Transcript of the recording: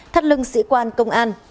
thắt lưng sĩ quan công an